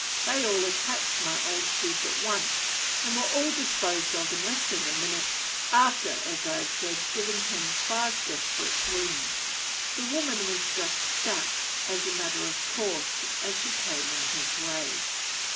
They all attacked my old chief at once, and were all disposed of in less than a minute, after, as I have said, giving him five desperate wounds. The woman was just "stuck," as a matter of course, as she came in his way.